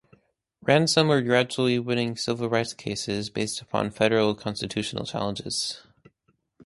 Ransom were gradually winning civil rights cases based upon federal constitutional challenges.